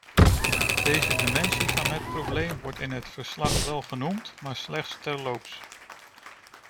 Deze dimensie van het probleem wordt in het verslag wel genoemd, maar slechts terloops.